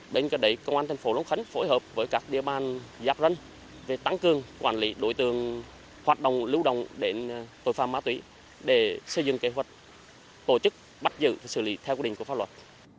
bên cạnh đấy công an thành phố long khánh phối hợp với các địa bàn giáp danh về tăng cường quản lý đối tượng hoạt động lưu đồng đến tội phạm ma túy để xây dựng kế hoạch tổ chức bắt giữ xử lý theo quy định của pháp luật